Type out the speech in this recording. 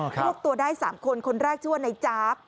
รวบตัวได้๓คนคนแรกชื่อว่านายจ๊าบ